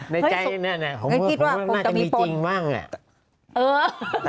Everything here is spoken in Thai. ในใจนั่นผมน่าจะมีจริงมากน่ะ